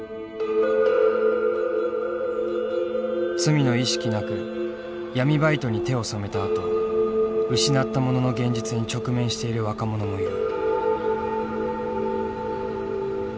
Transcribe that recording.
罪の意識なく闇バイトに手を染めたあと失ったものの現実に直面している若者もいる。